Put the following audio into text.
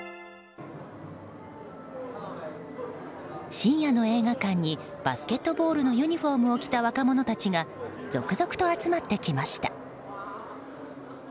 深夜の映画館にバスケットボールのユニホームを着た若者たちが続々と集まってきました。